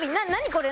これ。